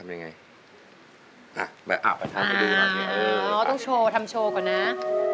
เอาทำโชว์ก่อนนะ